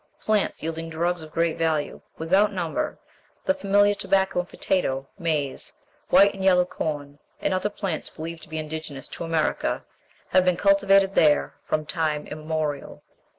Plants, yielding drugs of great value, without number, the familiar tobacco and potato, maize, white and yellow corn, and other plants believed to be indigenous to America, have been cultivated there from time immemorial."